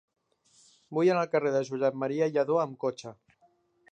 Vull anar al carrer de Josep M. Lladó amb cotxe.